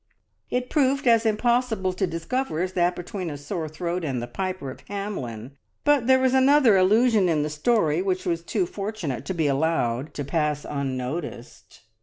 It proved as impossible to discover as that between a sore throat and the Piper of Hamelin, but there was another allusion in the story which was too fortunate to be allowed to pass unnoticed.